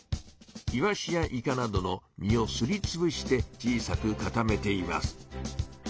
イワシやイカなどの身をすりつぶして小さく固めています。